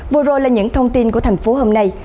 vừa rồi là những thông tin của thành phố hôm nay